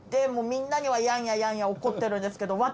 もうみんなにはやんややんや怒ってるんですけど。